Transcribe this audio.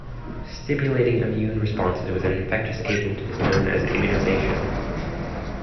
Stimulating immune responses with an infectious agent is known as "immunization".